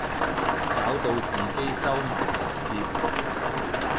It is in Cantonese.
搞到自己收埋紅帖